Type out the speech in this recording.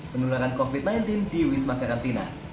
penularan covid sembilan belas di wisma karantina